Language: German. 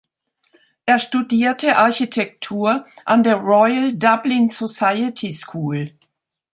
Er studierte Architektur an der "Royal Dublin Society School".